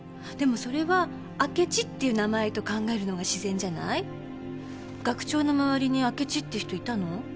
でもそれは「明智」っていう名前と考えるのが自然じゃない？学長の周りに明智っていう人いたの？